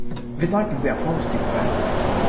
Wir sollten sehr vorsichtig sein.